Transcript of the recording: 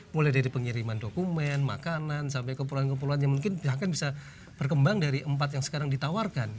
mulai dari pengiriman dokumen makanan sampai keperluan keperluan yang mungkin bahkan bisa berkembang dari empat yang sekarang ditawarkan